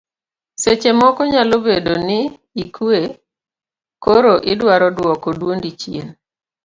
seche moko nyalo bedo ni ikwe koro idwaro duoko duondi chien